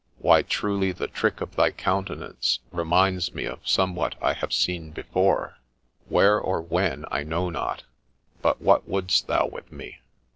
' Why truly the trick of thy countenance reminds me of some what I have seen before ; where or when I know not : but what wouldst thou with me